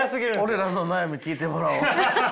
俺らの悩み聞いてもらおう。